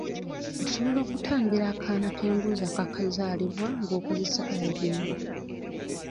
Osobola okutangira akaana k'embuzi akaakazaalibwa ng'okozesa iodine.